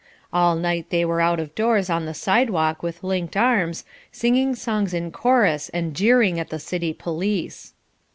All night they were out of doors on the sidewalk with linked arms, singing songs in chorus and jeering at the city police.